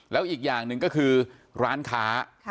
แล้วอีกอย่างหนึ่งก็คือร้านค้า